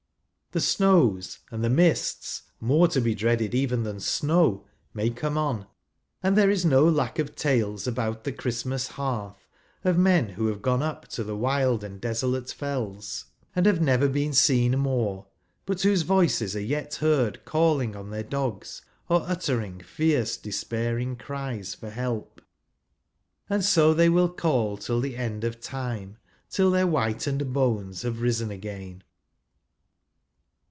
The snows and the mists (more to be dreaded even tlian Charles Dickens.j HOBSON'S CHOICE. snow) may come on ; and tliere is no lack of tales, about the Christmas hearth, of men who have gone up to the wild and desolate Fells and have never been seen more, but whose voices are yet hea:rd calling on their dogs, or uttering fierce despairing cries for help ; .and so they will call till the end of time, till their w^hitened bones have risen again.